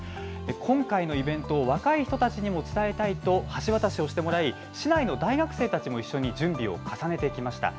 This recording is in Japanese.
今回のイベントでは若い人たちに伝えたいと橋渡しをしてもらい市内の大学生たちも一緒に準備を重ねてきました。